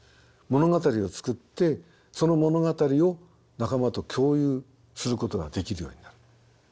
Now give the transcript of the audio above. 物語を作ってその物語を仲間と共有することができるようになる。